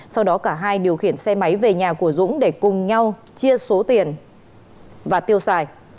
sau đó cả hai điều khiển xe máy về nhà của dũng để cùng nhau chia số tiền và tiêu xài